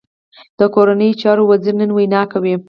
د کورنیو چارو وزیر نن وینا کوي